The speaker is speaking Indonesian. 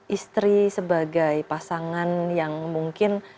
istri sebagai pasangan yang mungkin